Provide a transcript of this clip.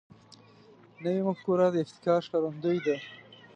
نوې مفکوره د ابتکار ښکارندوی ده